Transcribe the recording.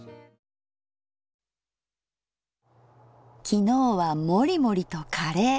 昨日はもりもりとカレー。